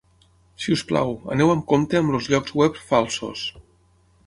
Si us plau, aneu amb compte amb els llocs web falsos.